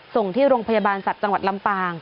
ส่งที่โรงพยาบาลสัตว์จังหวัดลำปาง